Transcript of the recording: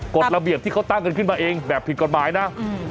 กฎระเบียบที่เขาตั้งกันขึ้นมาเองแบบผิดกฎหมายนะ